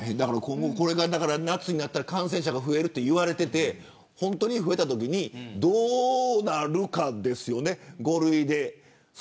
これが夏になったら感染者が増えるといわれていて本当に増えたときにどうなるかですよね。